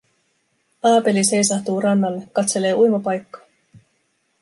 Aapeli seisahtuu rannalle, katselee uimapaikkaa.